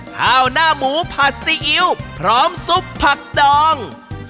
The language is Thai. ข้าวหน้าหมูผัดซีอิ๊วพร้อมซุปผักดอง